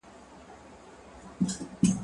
زه هره ورځ قلم استعمالوم!؟